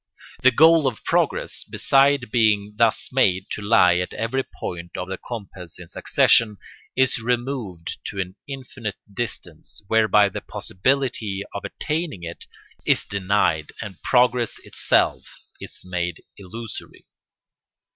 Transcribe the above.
The goal of progress, beside being thus made to lie at every point of the compass in succession, is removed to an infinite distance, whereby the possibility of attaining it is denied and progress itself is made illusory.